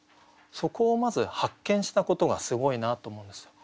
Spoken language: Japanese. そこをまず発見したことがすごいなと思うんですよ。